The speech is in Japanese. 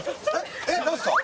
えっ何すか？